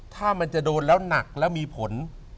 ถ้ามันจะโดนแล้วหนักแล้วมีผล